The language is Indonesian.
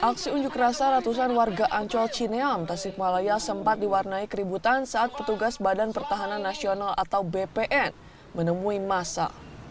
aksi unjuk rasa ratusan warga ancol cineam tasikmalaya sempat diwarnai keributan saat petugas badan pertahanan nasional atau bpn menemui masa